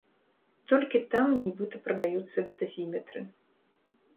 Толькі там нібыта прадаюцца дазіметры.